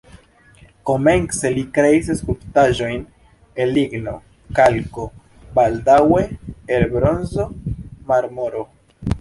Komence li kreis skulptaĵojn el ligno, kalko, baldaŭe el bronzo, marmoro.